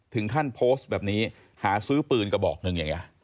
ถึงขั้นโพสต์แบบนี้หาซื้อปืนกระบอกหนึ่งอย่างนี้